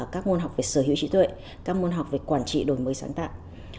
các môn học về sở hữu trí tuệ các môn học về quản trị đổi mới sáng tạo